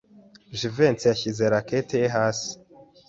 Jivency yashyize racket ye hasi.